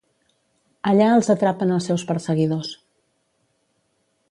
Allà els atrapen els seus perseguidors.